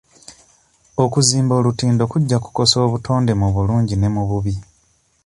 Okuzimba olutindo kujja kukosa obutonde mu bulungi ne mu bubi.